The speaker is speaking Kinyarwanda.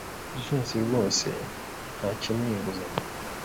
Jivency rwose ntakeneye inguzanyo.